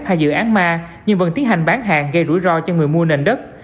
hay dự án ma nhưng vẫn tiến hành bán hàng gây rủi ro cho người mua nền đất